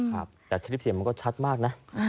ครับแต่คลิปเสียงมันก็ชัดมากนะ